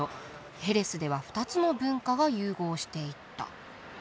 ヘレスでは２つの文化が融合していった。